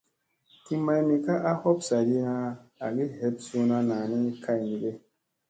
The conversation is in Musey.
Ti maymi ka a hop saaɗi na agi heeɓ suuna naa ni kay me ge ?